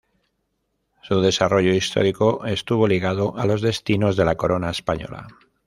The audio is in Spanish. Su desarrollo histórico estuvo ligado a los destinos de la Corona Española.